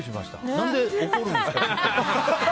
何で怒るんですか？